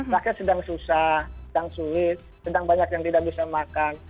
rakyat sedang susah sedang sulit sedang banyak yang tidak bisa makan